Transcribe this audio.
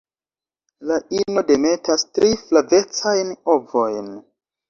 La ino demetas tri flavecajn ovojn.